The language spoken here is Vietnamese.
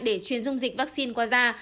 để chuyển dung dịch vaccine qua da